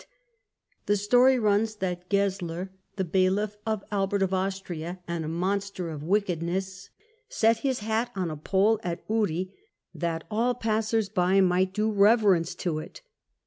The 104 THE END OF THE MIDDLE AGE story runs, that Gesler, the bailiff of Albert of Austria and a monster of wickedness, set his hat on a pole at Uri, that all passers by might do reverence to it.